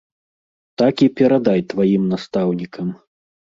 Так і перадай тваім настаўнікам.